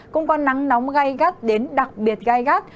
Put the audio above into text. cũng có nắng nóng gây gắt đến đặc biệt gai gắt